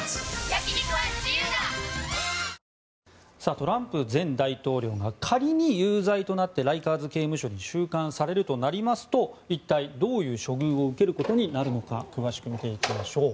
トランプ前大統領が仮に有罪となってライカーズ刑務所に収監されるとなりますと一体、どういう処遇を受けることになるのか詳しく見ていきましょう。